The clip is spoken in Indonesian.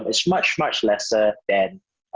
lebih kurang dari protokol blockchain lainnya